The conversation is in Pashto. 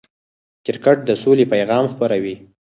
کرکټ د سولې پیغام خپروي.